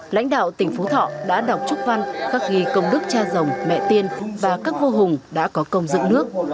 lãnh đạo tỉnh phú thọ đã đọc chúc văn khắc ghi công đức cha rồng mẹ tiên và các vua hùng đã có công dựng nước